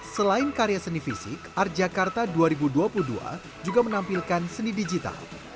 selain karya seni fisik art jakarta dua ribu dua puluh dua juga menampilkan seni digital